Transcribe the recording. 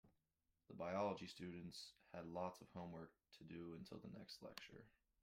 The biology students had lots of homework to do until the next lecture.